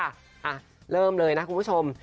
อ่ะเริ่มเลยนะคุณผู้ชม